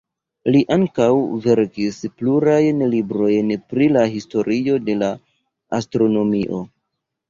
Li ankaŭ verkis plurajn librojn pri la historio de la astronomio.